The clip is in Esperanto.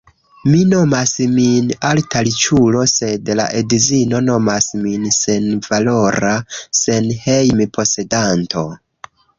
Mi nomas min alta riĉulo sed la edzino nomas min senvalora senhejm-posedanto